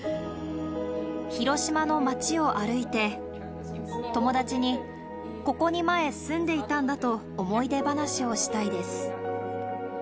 広島の街を歩いて、友達に、ここに前、住んでいたんだと思い出話をしたいです。